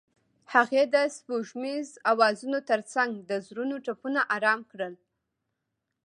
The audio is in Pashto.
هغې د سپوږمیز اوازونو ترڅنګ د زړونو ټپونه آرام کړل.